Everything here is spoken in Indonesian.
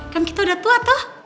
kan kita udah tua toh